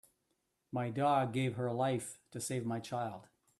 My dog gave her life to save my child.